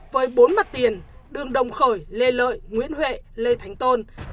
với bốn mặt tiền đường đồng khởi lê lợi nguyễn huệ lê thánh tôn